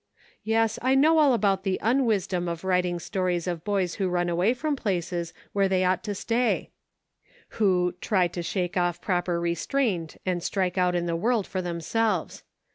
Yes, I know all about the unwisdom of writing stories of boys who run away from places where they ought to stay ; who " try to shake off proper restraint, and strike out in the world for them selves."